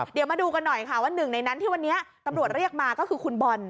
เดี๋ยวมาดูกันหน่อยค่ะว่าหนึ่งในนั้นที่วันนี้ตำรวจเรียกมาก็คือคุณบอล